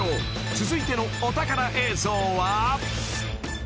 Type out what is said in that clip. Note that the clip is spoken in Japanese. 続いてのお宝映像は］